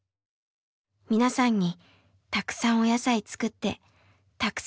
皆さんにたくさんお野菜作ってたくさん入れるようにします。